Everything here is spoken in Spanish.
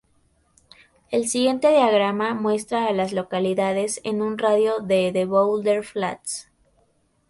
El siguiente diagrama muestra a las localidades en un radio de de Boulder Flats.